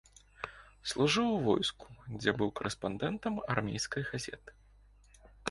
Служыў у войску, дзе быў карэспандэнтам армейскай газеты.